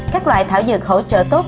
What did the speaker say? các loại thảo dược hỗ trợ tốt